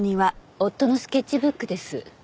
夫のスケッチブックです。